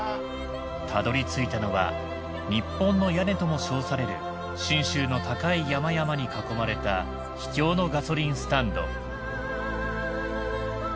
たどり着いたのは日本の屋根とも称される信州の高い山々に囲まれた秘境のガソリンスタンド。